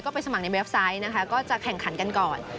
ไปสมัครในเว็บไซต์นะคะก็จะแข่งขันกันก่อน